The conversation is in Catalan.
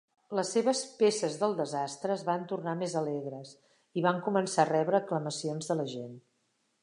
Les seves "peces del desastre" es van tornar més alegres i van començar a rebre aclamacions de la gent.